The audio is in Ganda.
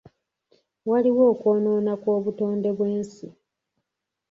Waliwo okwonoona kw'obutonde bw'ensi.